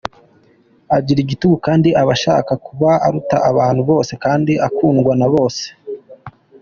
Agira igitugu kandi aba ashaka kuba aruta abantu bose kandi akundwa na bose.